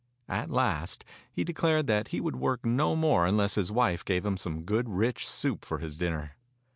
At last he declared that he would work no more unless his wife gave him some good rich soup for his dinner.